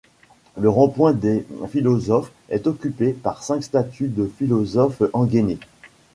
Le rond-point des Philosophes est occupé par cinq statues de philosophes engainés.